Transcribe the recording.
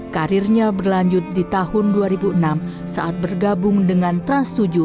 karirnya berlanjut di tahun dua ribu enam saat bergabung dengan trans tujuh